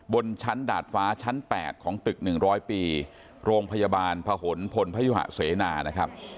บนชั้นดาดฟ้าชั้น๘ของตึก๑๐๐ปีโรงพยาบาลพะหนพลพยุหะเสนานะครับ